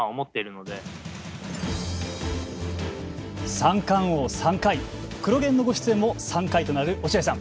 三冠王３回「クロ現」のご出演も３回となる落合さん